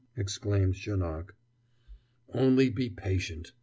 exclaimed Janoc. "Only be patient!"